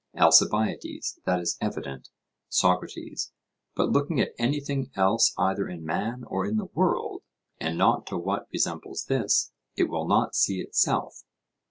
ALCIBIADES: That is evident. SOCRATES: But looking at anything else either in man or in the world, and not to what resembles this, it will not see itself?